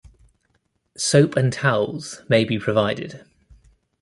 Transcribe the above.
Soap and towels may be provided.